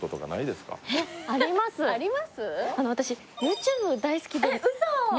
私ＹｏｕＴｕｂｅ大好きでえウソ？